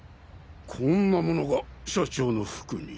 こんな物が社長の服に。